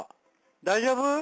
大丈夫？